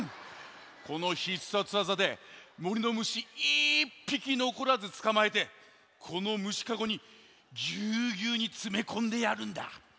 このひっさつわざでもりの虫１ぴきのこらずつかまえてこの虫カゴにギュウギュウにつめこんでやるんだ。